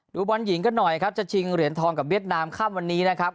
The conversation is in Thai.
บอลหญิงกันหน่อยครับจะชิงเหรียญทองกับเวียดนามค่ำวันนี้นะครับ